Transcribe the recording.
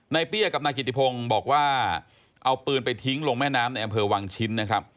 เปี้ยกับนายกิติพงศ์บอกว่าเอาปืนไปทิ้งลงแม่น้ำในอำเภอวังชิ้นนะครับ